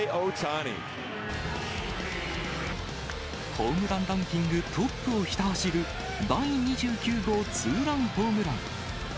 ホームランランキングトップをひた走る、第２９号ツーランホームラン。